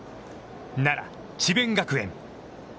奈良・智弁学園。